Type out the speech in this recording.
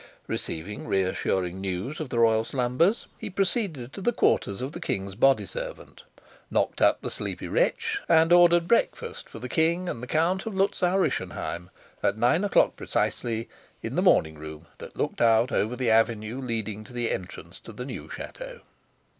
Receiving reassuring news of the royal slumbers, he proceeded to the quarters of the king's body servant, knocked up the sleepy wretch, and ordered breakfast for the king and the Count of Luzau Rischenheim at nine o'clock precisely, in the morning room that looked out over the avenue leading to the entrance to the new chateau.